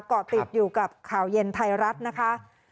เกาะติดอยู่กับข่าวเย็นไทยรัฐนะคะ